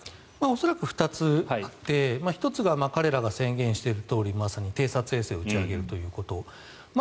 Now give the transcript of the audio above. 恐らく２つあって１つが彼らが宣言しているとおり偵察衛星を打ち上げるということ。